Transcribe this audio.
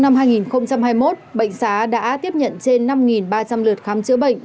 năm hai nghìn hai mươi một bệnh xá đã tiếp nhận trên năm ba trăm linh lượt khám chữa bệnh